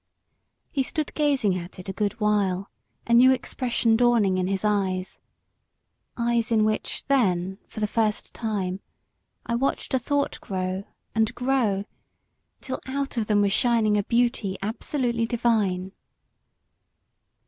He stood gazing at it a good while, a new expression dawning in his eyes. Eyes in which then, for the first time, I watched a thought grow, and grow, till out of them was shining a beauty absolutely divine.